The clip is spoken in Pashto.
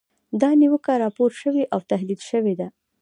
دا نیوکه راپور شوې او تحلیل شوې ده.